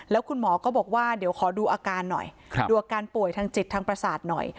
แล้วคุณหมอก็บอกว่าเดี๋ยวขอดูอาการหน่อยดูอาการป่วยทางจิตทางประสาทหน่อย